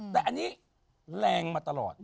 แต่อันนี้แรงมาตลอด